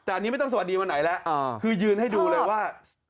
แต่อันนี้ไม่ต้องสวัสดีวันไหนแล้วคือยืนให้ดูเลยว่า